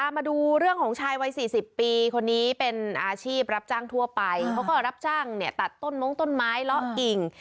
มาดูเรื่องของชายวัยสี่สิบปีคนนี้เป็นอาชีพรับจ้างทั่วไปเขาก็รับจ้างเนี่ยตัดต้นมงต้นไม้เลาะกิ่ง